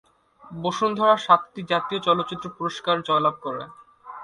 বসুন্ধরা সাতটি জাতীয় চলচ্চিত্র পুরস্কার জয়লাভ করে।